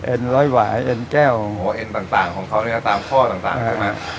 ร้อยหวายเอ็นแก้วหัวเอ็นต่างของเขาเนี่ยตามข้อต่างใช่ไหม